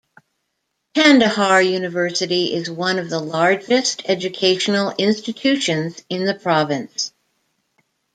Kandahar University is one of the largest educational institutions in the province.